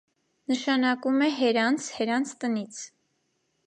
Նշանակում է «հերանց, հերանց տնից»։